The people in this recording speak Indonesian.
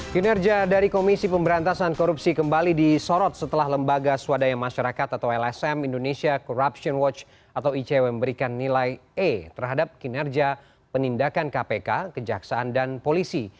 kinerja dari komisi pemberantasan korupsi kembali disorot setelah lembaga swadaya masyarakat atau lsm indonesia corruption watch atau icw memberikan nilai e terhadap kinerja penindakan kpk kejaksaan dan polisi